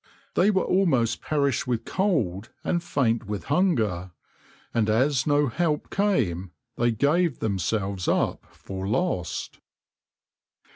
They were almost perished with cold and faint with hunger, and as no help came they gave themselves up for lost.